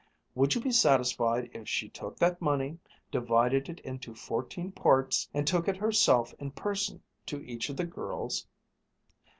Would you be satisfied if she took that money, divided it into fourteen parts, and took it herself in person to each of the girls?"